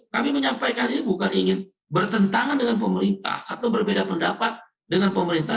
kami menyampaikan ini bukan ingin bertentangan dengan pemerintah atau berbeda pendapat dengan pemerintah